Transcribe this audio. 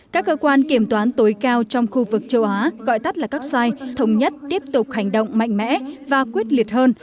các cơ quan kiểm toán tối cao trong khu vực châu á gọi tắt là các sai thống nhất tiếp tục hành động mạnh mẽ và quyết liệt hơn